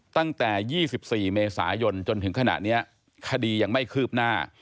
ตั้งแต่๒๔เมษายนจนถึงขณะนี้คดียังไม่คืบหน้า